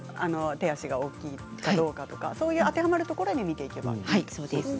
手や足が大きいかどうか当てはまるところを見ていけばいいんですね。